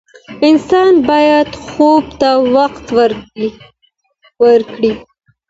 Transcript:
انسان باید خوب ته وخت ورکړي.